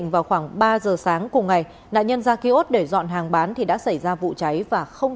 vào khoảng ba giờ sáng cùng ngày nạn nhân ra kiosk để dọn hàng bán thì đã xảy ra vụ cháy và không